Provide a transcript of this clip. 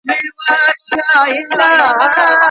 د لاس لیکنه د انسان پر نفس د باور نښه ده.